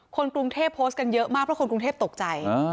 คนกรุงเทพโพสต์กันเยอะมากเพราะคนกรุงเทพตกใจ